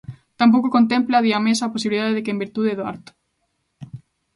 Tampouco contempla, di A Mesa, a posibilidade de que en virtude do art.